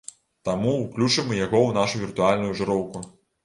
Таму ўключым і яго ў нашу віртуальную жыроўку.